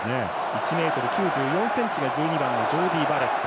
１ｍ９４ｃｍが１２番、ジョーディー・バレット。